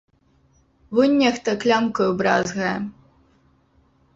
Вунь нехта клямкаю бразгае.